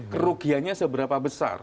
kerugiannya seberapa besar